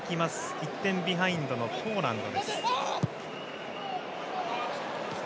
１点ビハインドのポーランド。